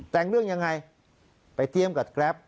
แต่งเรื่องอย่างไรไปเตรียมกับกราฟ